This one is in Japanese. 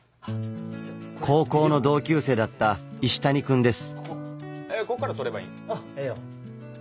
高校の同級生だった石谷くんです。